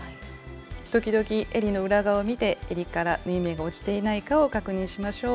時々えりの裏側を見てえりから縫い目が落ちていないかを確認しましょう。